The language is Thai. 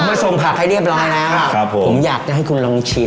มาส่งผักให้เรียบร้อยแล้วครับผมผมอยากจะให้คุณลองชิม